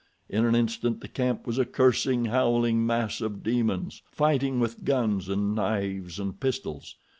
In an instant the camp was a cursing, howling mass of demons, fighting with guns and knives and pistols.